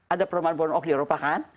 ada perlombaan pohon ok di eropa kan